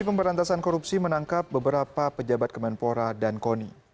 pemberantasan korupsi menangkap beberapa pejabat kemenpora dan koni